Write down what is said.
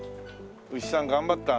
牛さん頑張った。